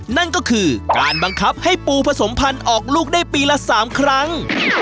นั่นก็คือการบังคับให้ปูผสมพันธุ์ออกลูกได้ปีละ๓ครั้ง